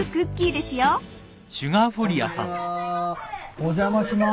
お邪魔します。